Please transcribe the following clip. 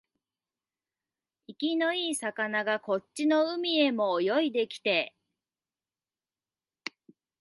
生きのいい魚がこっちの海へも泳いできて、